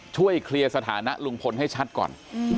ช่วยเคลียร์สถานะลุงพลให้ชัดก่อน